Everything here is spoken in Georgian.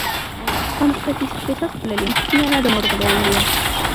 სამხრეთის შესასვლელი მთლიანად მორღვეულია.